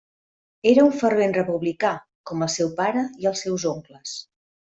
Era un fervent republicà, com el seu pare i els seus oncles.